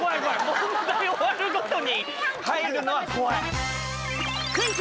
問題終わるごとに入るのは怖い！